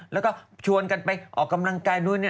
แล้วก็ชวนกันออกกำลังกายทุกอย่าง